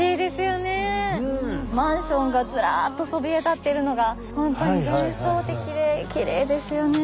マンションがずらっとそびえ立ってるのが本当に幻想的できれいですよね。